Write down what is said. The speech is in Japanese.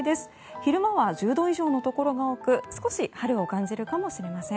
昼間は１０度以上のところが多く少し春を感じるかもしれません。